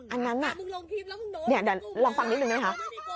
อันนั้นอะเห็นไหมลองฟังนิดนึงด้วยคะ